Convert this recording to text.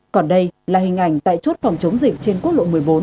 còn đây là hình ảnh tại chốt phòng chống dịch trên quốc lộ một mươi bốn